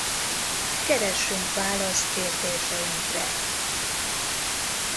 Keressünk választ kérdéseinkre!